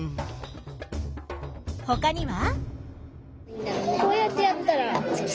ほかには？